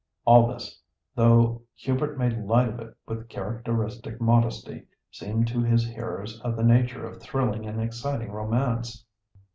All this, though Hubert made light of it with characteristic modesty, seemed to his hearers of the nature of thrilling and exciting romance.